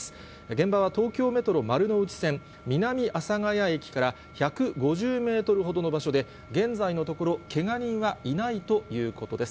現場は東京メトロ丸の内線南阿佐ヶ谷駅から１５０メートルほどの場所で、現在のところ、けが人はいないということです。